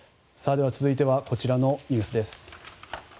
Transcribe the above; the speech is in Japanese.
では続いてはこちらのニュースです。